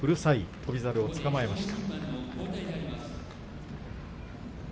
翔猿をつかまえました。